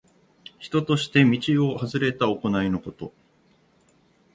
人としての道をはずれた行いのこと。